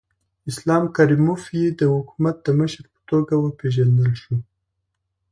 اسلام کریموف یې د حکومت د مشر په توګه وپېژندل شو.